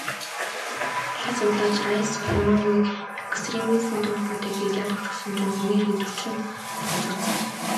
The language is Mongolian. Лал судлаач Райс Сулеймановыг экстремизмтэй холбоотой гээд ял өгчихсөн чинь хүний эрхийг зөрчсөнд тооцогдсон.